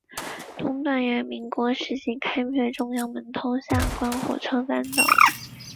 东段原为民国时期开辟中央门通往下关火车站的道路。